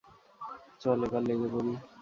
চল এবার লেগে পড়ি।